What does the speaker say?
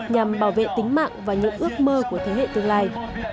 nhằm bảo vệ tính mạng và những ước mơ của thế hệ tương lai